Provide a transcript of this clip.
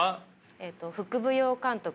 えっと副舞踊監督。